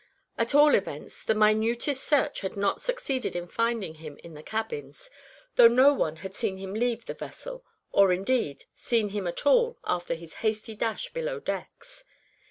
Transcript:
At all events the minutest search had not succeeded in finding him in the cabins, though no one had seen him leave the vessel, or, indeed, seen him at all after his hasty dash below decks.